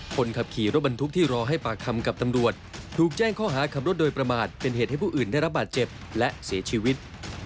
คนขับขี่รถบรรทุกที่รอให้ปากคำกับตำรวจถูกแจ้งข้อหาขับรถโดยประมาทเป็นเหตุให้ผู้อื่นได้รับบาดเจ็บและเสียชีวิต